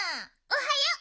おはよう！